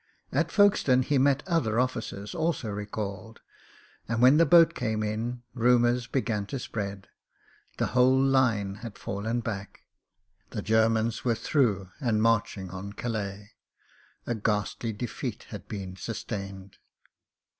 At Folkestone he met other officers — also recalled ; and when the boat came in rumours be gan to spread. The whole line had fallen back — ^the THE MOTOR GUN 31 Germans were through and marching on Calais —^, ghastly defeat had been sustained.